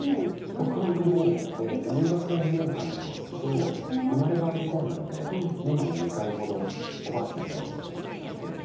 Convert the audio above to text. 僕はでも留学は２年間なんですけど生まれが向こうなので年に２回ほどおばあちゃんに会いに行ったりしていて。